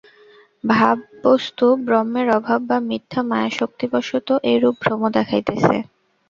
ভাব-বস্তু ব্রহ্মের অভাব বা মিথ্যা মায়াশক্তিবশত এইরূপ ভ্রম দেখাইতেছে।